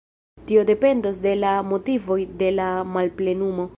Tio dependos de la motivoj de la malplenumo.